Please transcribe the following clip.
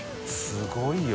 すごいよ。